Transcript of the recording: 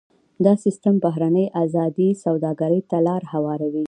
دا سیستم بهرنۍ ازادې سوداګرۍ ته لار هواروي.